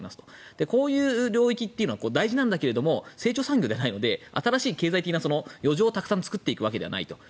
こういう領域は大事なんだけど成長産業じゃないので新しい経済的な余剰たくさん作っていくわけじゃないと。